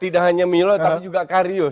tidak hanya milo tapi juga karius